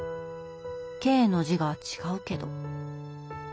「系」の字が違うけど。